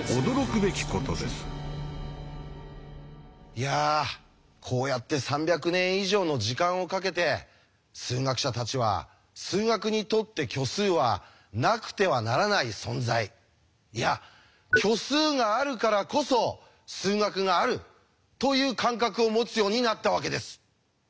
いやこうやって３００年以上の時間をかけて数学者たちは数学にとって虚数はなくてはならない存在いやという感覚を持つようになったわけです。